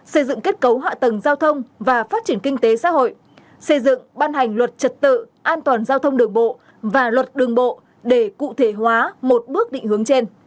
xây dựng kết cấu hạ tầng giao thông và phát triển kinh tế xã hội xây dựng ban hành luật trật tự an toàn giao thông đường bộ và luật đường bộ để cụ thể hóa một bước định hướng trên